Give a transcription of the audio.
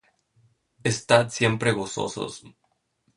Estad siempre gozosos.